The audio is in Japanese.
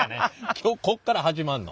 今日こっから始まんの。